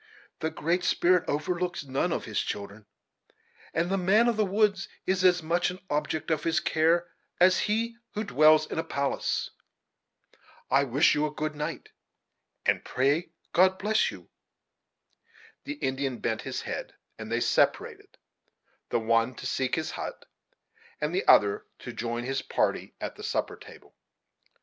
The Great Spirit overlooks none of his children; and the man of the woods is as much an object of his care as he who dwells in a palace. I wish you a good night, and pray God to bless you." The Indian bent his head, and they separated the one to seek his hut, and the other to join his party at the supper table.